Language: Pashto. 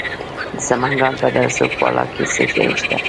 د سمنګان په دره صوف بالا کې څه شی شته؟